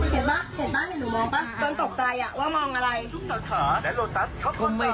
เดี๋ยวเดี๋ยวออกรหัสเดี๋ยวนี้อ่าอยากเข้ามาไงอยากเข้ามาหนูเห็นว่าเขา